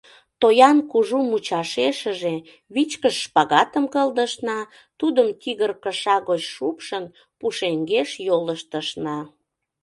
Тоян кужу мучашешыже вичкыж шпагатым кылдышна, тудым, тигр кыша гоч шупшын, пушеҥгеш йолыштышна.